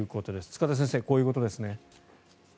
塚田先生、こういうことですね。